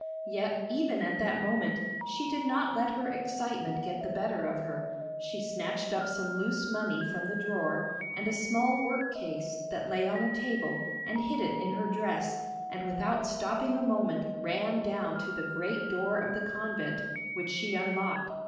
Yet even at that moment, she did not let her excitement get the better of her. She snatched up some loose money from the drawer and a small work case that lay on a table and hid it in her dress, and without stopping a moment ran down to the great door of the convent, which she unlocked.